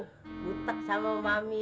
buta sama mami